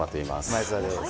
前澤です。